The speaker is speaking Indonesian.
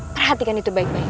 perhatikan itu baik baik